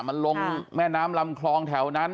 มันลงแม่น้ำลำคลองแถวนั้น